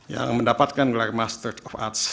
yang mendapatkan gelar master of arts